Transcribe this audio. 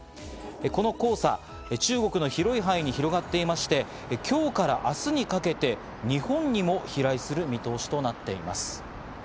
この黄砂、中国の広い範囲に広がっていまして、今日から明日にかけて日本にも飛来する見通しとなっています。